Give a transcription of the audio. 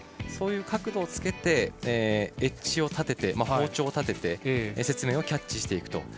そういう角度をつけてエッジを立てて、包丁を立てて雪面をキャッチしていくと。